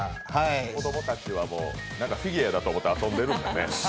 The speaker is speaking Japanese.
子供たちはフィギュアだと思って遊んでるんですね。